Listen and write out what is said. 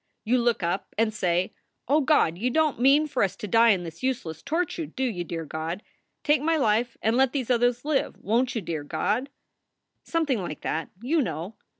You look up and say, O God, you don t mean for us to die in this useless torture, do you, dear God? Take my life and let these others live. Won t you, dear God? "Something like that, you know.